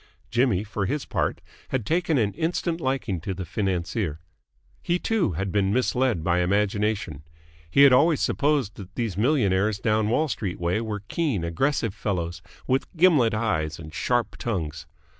Jimmy, for his part, had taken an instant liking to the financier. He, too, had been misled by imagination. He had always supposed that these millionaires down Wall Street way were keen, aggressive fellows, with gimlet eyes and sharp tongues.